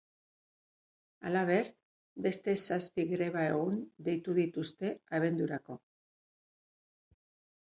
Halaber, beste zazpi greba egun deitu dituzte abendurako.